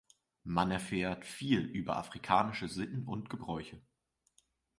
Man erfährt viel über afrikanische Sitten und Gebräuche.